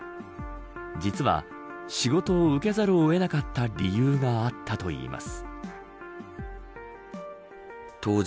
実は仕事を受けざるをえなかった理由があったといいます。